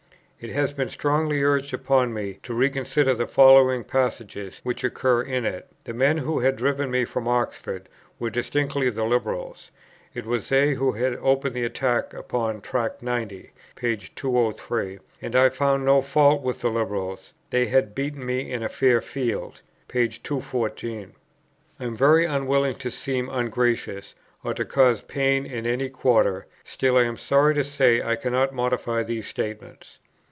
It has been strongly urged upon me to re consider the following passages which occur in it: "The men who had driven me from Oxford were distinctly the Liberals, it was they who had opened the attack upon Tract 90," p. 203, and "I found no fault with the Liberals; they had beaten me in a fair field," p. 214. I am very unwilling to seem ungracious, or to cause pain in any quarter; still I am sorry to say I cannot modify these statements.